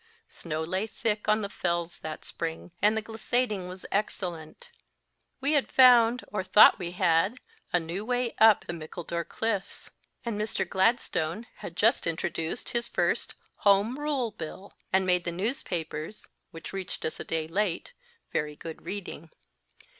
Snow lay thick on the fells that spring, and the glissading was excellent ; we had found, or thought we had, a new way up the Mickledore cliffs ; and Mr. Gladstone had just introduced his first Home Rule Bill, and made the newspapers (which reached us a day late) very good reading.